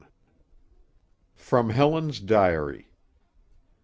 [From Helen's Diary.